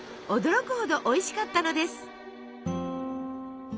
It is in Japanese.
驚くほどおいしかったのです。